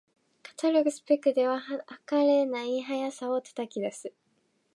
カタログスペックでは、はかれない速さを叩き出す